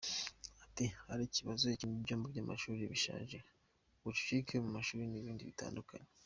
Ati “Hari ikibazo cy’ibyumba by’amashuri bishaje, ubucucike mu mashuri n’ibindi bitandukanye.